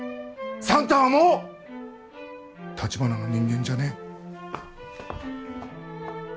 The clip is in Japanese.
算太はもう橘の人間じゃねえ。